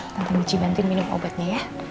bentar ya nanti minum obatnya ya